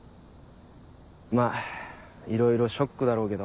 まぁいろいろショックだろうけど。